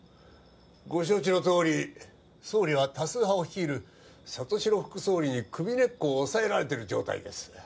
ご承知のとおり総理は多数派を率いる里城副総理に首根っこを押さえられてる状態です